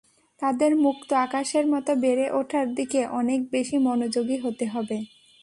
তাদের মুক্ত আকাশের মতো বেড়ে ওঠার দিকে অনেক বেশি মনোযোগী হতে হবে।